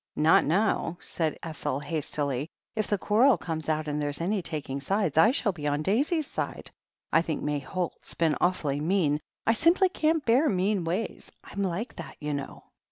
"Not now," said Ethel hastily. "If the quarrel comes out and there's any taking sides, I shall be on Daisy's side. I think May Holt's been awfully mean. I simply can't bear mean ways. I'm like that, you know."